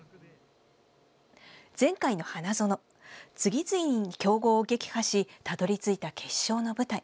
前回の花園、次々に強豪を撃破したどり着いた決勝の舞台。